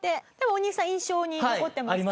大西さん印象に残ってますか？